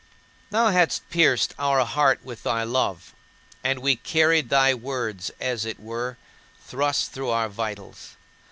3. Thou hadst pierced our heart with thy love, and we carried thy words, as it were, thrust through our vitals.